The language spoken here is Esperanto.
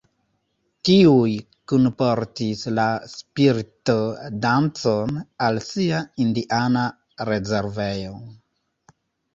Tiuj kunportis la spirit-dancon al sia indiana rezervejo.